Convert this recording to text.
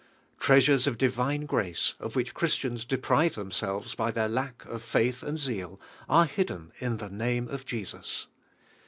Treasures of divine grace, of which Christians deprive themselves by their lack of faith and zeal, are hidden in the name of Jesus.